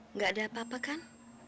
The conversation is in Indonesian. nggak ada apa apa kan